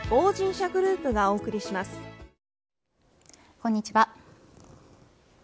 こんにちは。